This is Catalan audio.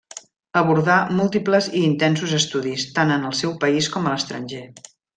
Abordà múltiples i intensos estudis, tant en el seu país com a l'estranger.